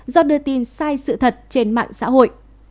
do đưa tin sai sự thật trên mạng xã hội